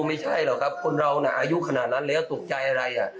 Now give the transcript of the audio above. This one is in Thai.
ไม่ใช่หรอกครับคนเราน่ะอายุขนาดนั้นแล้วตกใจอะไร